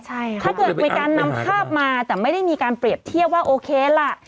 ถ้าเกิดมีการนำข้าวมาแต่ไม่มีการเปรียบเทียบว่าโอเคแหละ